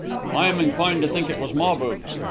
I am inclined to think it was Mahbub's.